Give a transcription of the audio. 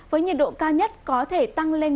với nhiệt độ cao nhất có thể tăng lên